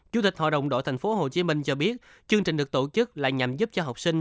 chủ tịch hội đồng đội tp hcm cho biết chương trình được tổ chức là nhằm giúp cho học sinh